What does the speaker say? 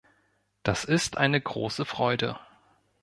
Das ist eine große Freude.